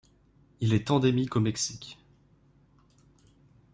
Il est endémique au Mexique.